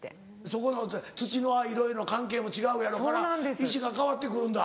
そこの土のいろいろ関係も違うやろうから石が変わって来るんだ。